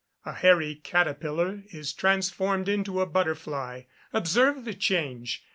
A hairy caterpillar is transformed into a butterfly. Observe the change.